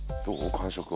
感触は。